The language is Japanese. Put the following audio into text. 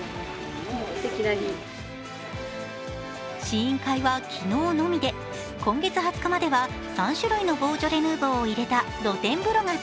試飲会は昨日のみで、今月２０日までは３種類のボージョレ・ヌーボーを入れた露天風呂が